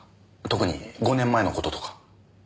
特に５年前の事とか。